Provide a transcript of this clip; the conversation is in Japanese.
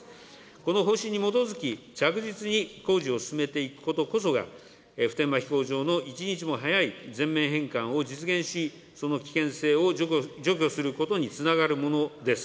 この方針に基づき、着実に工事を進めていくことこそが、普天間飛行場の一日も早い全面返還を実現し、その危険性を除去することにつながるものです。